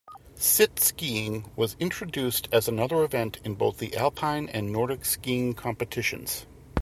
Sit-skiing was introduced as another event in both the Alpine and Nordic skiing competitions.